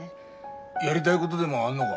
やりたいごどでもあんのが？